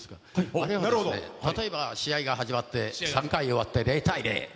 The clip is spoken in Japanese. あれはですね、例えば試合が始まって、３回終わって０対０。